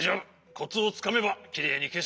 コツをつかめばきれいにけせるぞ。